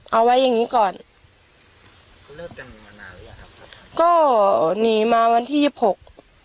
เอาไว้อย่างงี้ก่อนก็หนีมาวันที่ยี่สิบหก